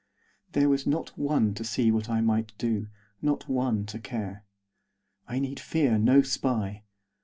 There was not one to see what I might do; not one to care. I need fear no spy.